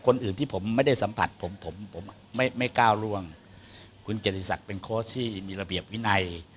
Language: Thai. คนอื่นที่ผมไม่ได้สัมผัสผมผมไม่ไม่ก้าวร่วงคุณเกียรติศักดิ์เป็นโค้ชที่มีระเบียบวินัย